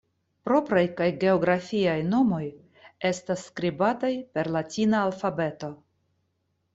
Propraj kaj geografiaj nomoj estas skribataj per latina alfabeto.